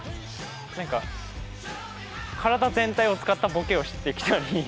何か体全体を使ったボケをしてきたり。